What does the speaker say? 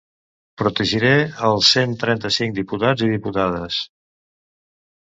Protegiré els cent trenta-cinc diputats i diputades.